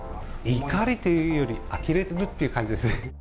怒りというより、あきれるっていう感じですね。